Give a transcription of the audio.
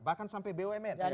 bahkan sampai bumn